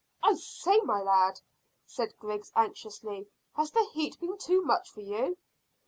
"I say, my lad," said Griggs anxiously, "has the heat been too much for you?"